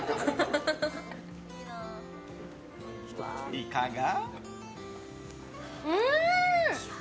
いかが？